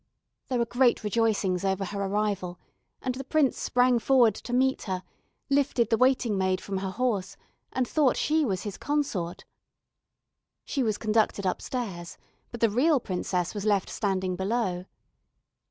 There were great rejoicings over her arrival, and the prince sprang forward to meet her, lifted the waiting maid from her horse, and thought she was his consort. She was conducted upstairs, but the real princess was left standing below.